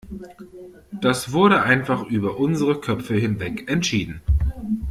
Das wurde einfach über unsere Köpfe hinweg entschieden.